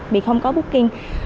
vì không có booking